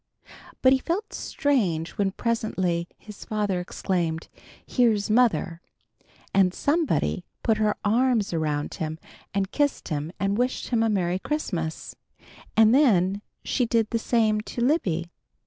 But he felt strange when presently his father exclaimed, "Here's mother," and somebody put her arms around him and kissed him and wished him a Merry Christmas, and then did the same to Libby.